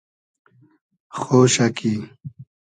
خۉشۂ کی